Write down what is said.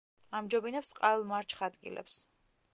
ამჯობინებს წყალმარჩხ ადგილებს.